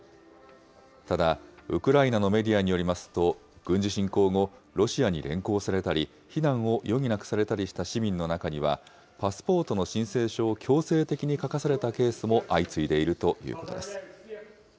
ただ、ウクライナのメディアによりますと、軍事侵攻後、ロシアに連行されたり避難を余儀なくされたりした市民の中には、パスポートの申請書を強制的に書かされたケースも相次いでいるということです。